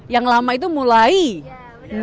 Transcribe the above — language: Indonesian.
yang lama itu mulainya